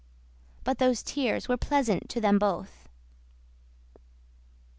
But those tears were pleasant to them both.